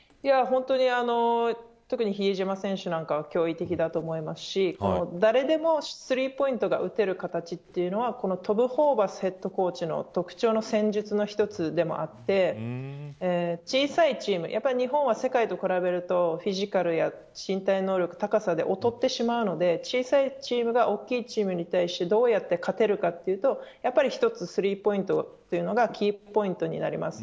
特に比江島選手なんかは驚異的だと思いますし誰でもスリーポイントが打てる形というのはトム・ホーバスヘッドコーチの特徴の戦術の一つであって日本は世界と比べるとフィジカルや身体能力の高さで劣ってしまうので小さいチームが大きいチームに対してどうやって勝てるかというとやっぱり一つスリーポイントというのがキーポイントになります。